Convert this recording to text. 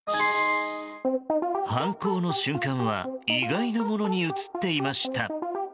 犯行の瞬間は意外なものに映っていました。